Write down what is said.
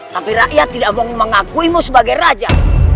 tapi rakyat tidak mau mengakuimu sebagai raja